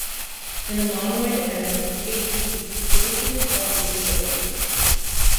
In a monoid M, "H" is traditionally called the group of units.